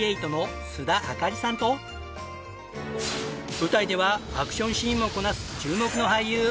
舞台ではアクションシーンもこなす注目の俳優。